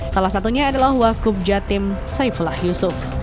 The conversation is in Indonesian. salah satunya adalah wakub jatim saifullah yusuf